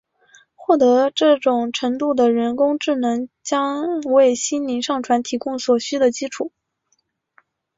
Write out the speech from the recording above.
获得这种程度的人工智能将为心灵上传提供所需的基础。